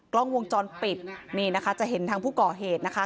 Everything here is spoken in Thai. กล้องวงจรปิดนี่นะคะจะเห็นทางผู้ก่อเหตุนะคะ